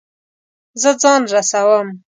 زه ځان رسوم